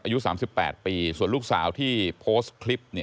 อายุ๓๘ปีส่วนลูกสาวที่โพสต์คลิป